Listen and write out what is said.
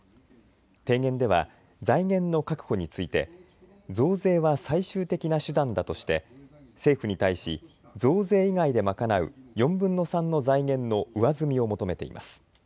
提言では財源の確保について増税は最終的な手段だとして政府に対し増税以外で賄う４分の３の財源の上積みを求めています。